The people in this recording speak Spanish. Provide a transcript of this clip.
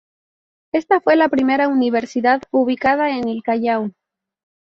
Esta fue la primera universidad ubicada en el Callao.